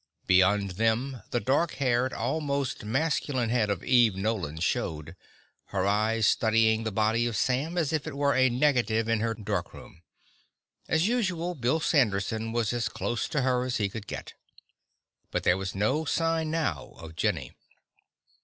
Beyond them, the dark haired, almost masculine head of Eve Nolan showed, her eyes studying the body of Sam as if it were a negative in her darkroom; as usual, Bill Sanderson was as close to her as he could get. But there was no sign now of Jenny.